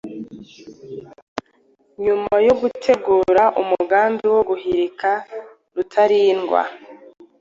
Nyuma yo gutegura umugambi wo guhirika Rutalindwa